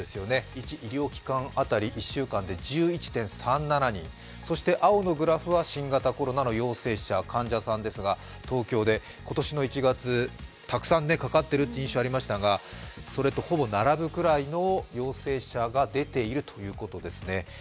１医療機関当たり、１週間で１１．３７人、青のグラフは新型コロナ、東京都の患者さんですが、東京で今年の１月、たくさんかかってる印象がありましたがそれとほぼ並ぶくらいの陽性者が出ているということですね。